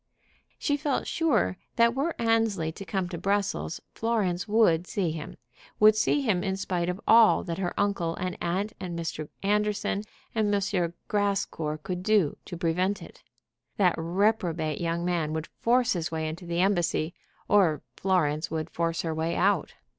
She felt sure that were Annesley to come to Brussels, Florence would see him, would see him in spite of all that her uncle and aunt, and Mr. Anderson, and M. Grascour could do to prevent it. That reprobate young man would force his way into the embassy, or Florence would force her way out.